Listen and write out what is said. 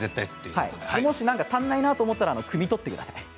もし足りないなと思ったらくみ取ってください。